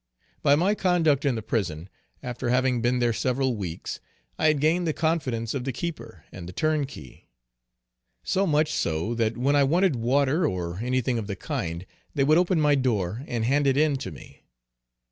By my conduct in the prison, after having been there several weeks, I had gained the confidence of the keeper, and the turnkey. So much so, that when I wanted water or anything of the kind, they would open my door and hand it in to me.